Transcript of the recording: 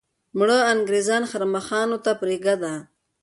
مړه انګریزان ښرموښانو ته پرېږده.